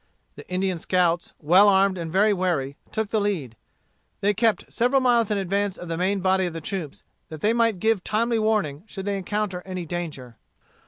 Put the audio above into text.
The Indian scouts, well armed and very wary, took the lead. They kept several miles in advance of the main body of the troops, that they might give timely warning should they encounter any danger.